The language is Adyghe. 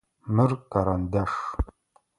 Мыр карандаш.